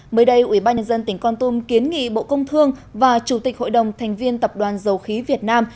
mới đây ủy ban nhân dân tỉnh con tum kiến nghị bộ công thương và chủ tịch hội đồng thành viên tập đoàn dầu khí việt nam